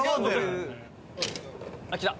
あっきた！